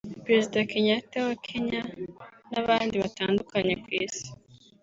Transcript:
Perezida Kenyatta wa Kenya n’abandi batandukanye ku Isi